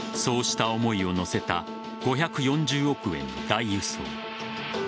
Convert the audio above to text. そうした思いを載せた５４０億円の大輸送。